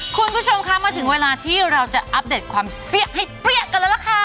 คุณผู้ชมคะมาถึงเวลาที่เราจะอัปเดตความเสี้ยให้เปรี้ยกันแล้วล่ะค่ะ